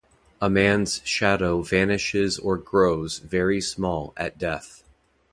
A man’s shadow vanishes or grows very small at death.